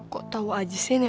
kok tau aja sih ini